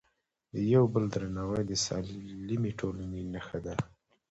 د یو بل درناوی د سالمې ټولنې نښه ده.